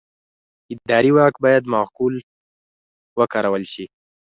اداري واک باید معقول وکارول شي.